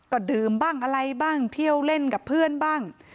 ก็ดื่มบ้างอะไรบ้างเที่ยวเล่นกับเพื่อนบ้าง